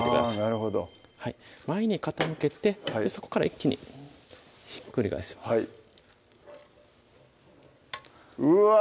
なるほど前に傾けてそこから一気にひっくり返しますうわ！